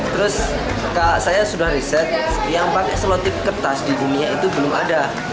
terus saya sudah riset yang pakai selotip kertas di dunia itu belum ada